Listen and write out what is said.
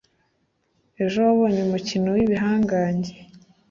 ejo wabonye umukino wibihangange